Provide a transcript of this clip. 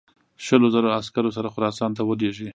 شلو زرو عسکرو سره خراسان ته ولېږي.